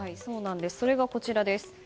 それがこちらです。